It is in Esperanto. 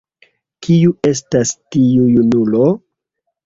Kiu estas tiu junulo?